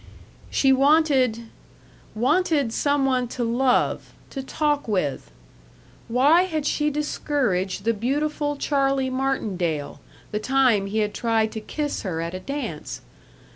She wanted wanted some one to love, to talk with. Why had she discouraged the beautiful Charlie Martindale, the time he had tried to kiss her at a dance?